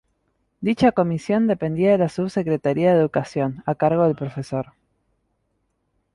Dicha Comisión dependía de la Subsecretaría de Educación, a cargo del Prof.